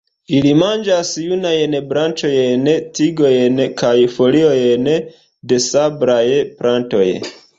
Ili manĝas junajn branĉojn, tigojn kaj foliojn de sablaj plantoj.